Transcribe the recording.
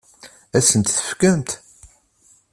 Ad asen-t-tefkemt?